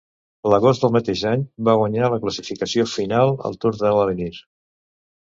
L'agost del mateix any va guanyar la classificació final al Tour de l'Avenir.